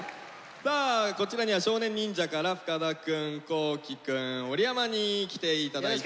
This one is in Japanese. さあこちらには少年忍者から深田くん皇輝くん織山に来ていただいております。